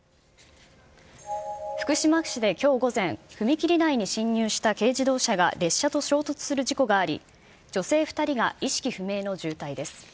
福島市できょう午前、踏切内に進入した軽自動車が列車と衝突する事故があり、女性２人が意識不明の重体です。